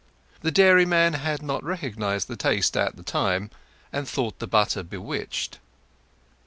The dairyman had not recognized the taste at that time, and thought the butter bewitched.